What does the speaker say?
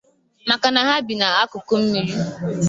maka na ha bì n'akụkụ mmiri